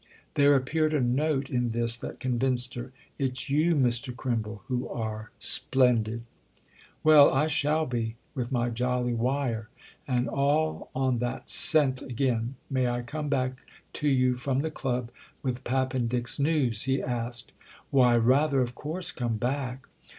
There appeared a note in this that convinced her. "It's you, Mr. Crimble, who are 'splendid'!" "Well, I shall be—with my jolly wire!" And all on that scent again, "May I come back to you from the club with Pappendick's news?" he asked. "Why, rather, of course, come back!"